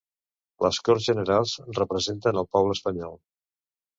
Les Corts Generals representen el poble espanyol.